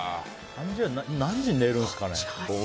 何時に寝るんですかね。